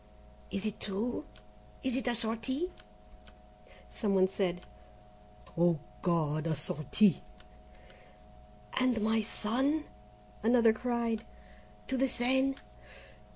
"Is it true? Is it a sortie?" Some one said: "Oh, God a sortie and my son?" Another cried: "To the Seine?